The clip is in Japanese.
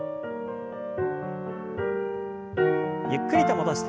ゆっくりと戻して。